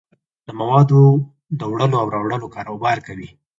د موادو دوړلو او راوړلو کاروبار کوي.